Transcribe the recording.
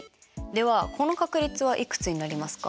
ではこの確率はいくつになりますか？